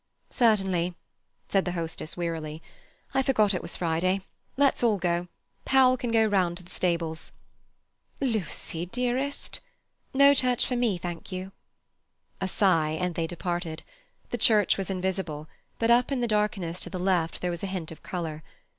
"Certainly," said the hostess wearily. "I forgot it was Friday. Let's all go. Powell can go round to the stables." "Lucy dearest—" "No church for me, thank you." A sigh, and they departed. The church was invisible, but up in the darkness to the left there was a hint of colour.